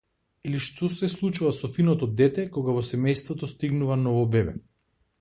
Или што се случува со финото дете кога во семејството стигнува ново бебе.